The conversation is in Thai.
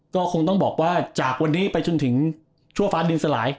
ก็คงต้องบอกว่าจากวันนี้ไปจนถึงชั่วฟ้าดินสลาย